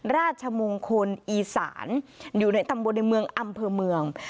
ราชมงคลอีสานอยู่ในตำบลในเมืองอำเภอเมือง